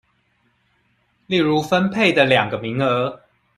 例如分配的二個名額